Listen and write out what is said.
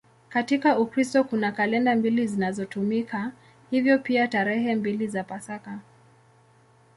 Katika Ukristo kuna kalenda mbili zinazotumika, hivyo pia tarehe mbili za Pasaka.